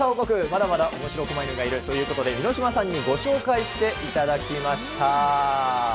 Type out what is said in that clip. まだまだおもしろこま犬がいるということで、ミノシマさんにご紹介していただきました。